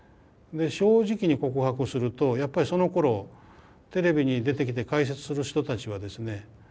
で正直に告白するとやっぱりそのころテレビに出てきて解説する人たちはですね